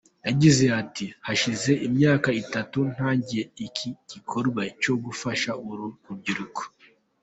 Yagize ati:”hashize imyaka itatu ntangiye iki gikorwa cyo gufasha uru rubyiruko.